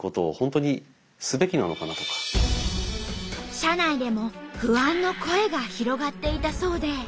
社内でも不安の声が広がっていたそうで。